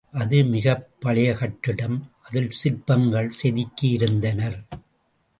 அது மிகப் பழைய கட்டிடம் அதில் சிற்பங்கள் செதுக்கி இருந்தனர்.